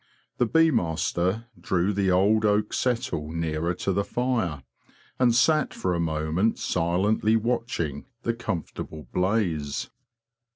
The bee master drew the old oak settle nearer to the fire, and sat for a moment silently watching the comfortable blaze.